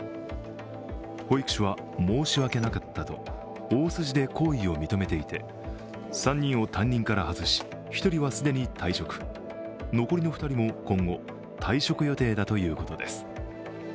保育士は申し訳なかったと大筋で行為を認めていて３人を担任から外し、１人は既に退職残りの２人も今後、退職予定だということです。